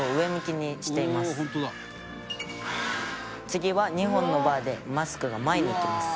「次は２本のバーでマスクが前にいきます」